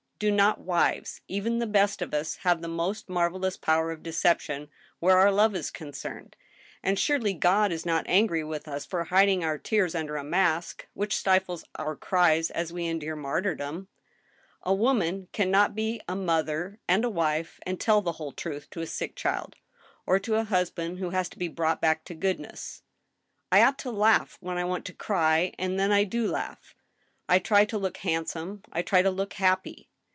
Do not wives, even the best of us, have the most man^elous power of decep tion where our love is concerned, and surely God is not angry with us for hiding our tears under a mask, which stifles our cries as we endure martyrdom ? A woman can not be a mother and a wife, and tell the whole truth to a sick child, or to a husband who has to be brought back to goodness. ... I ought to laugh when ^ I want to cry — ^and then I do laugh. I try to look handsome, I try to look happy!